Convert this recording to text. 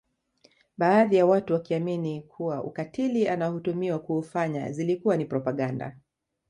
Baadhi ya watu wakiamini kuwa ukatili anaotuhumiwa kuufanya zilikuwa ni propaganda